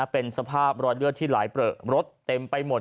เป็นสภาพรอยเลือดที่ไหลเปลือรถเต็มไปหมด